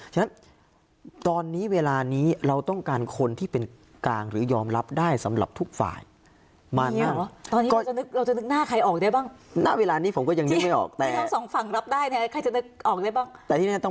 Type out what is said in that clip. ฉะนั้นตอนนี้เวลานี้เราต้องการคนที่เป็นกลางหรือยอมรับได้สำหรับทุกฝ่าย